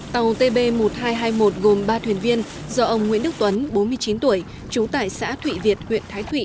tàu tb một nghìn hai trăm hai mươi một gồm ba thuyền viên do ông nguyễn đức tuấn bốn mươi chín tuổi trú tại xã thụy việt huyện thái thụy